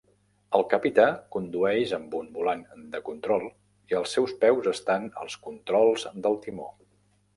El capità condueix amb un volant de control i els seus peus estan als controls del timó.